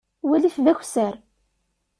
Walit d akessar.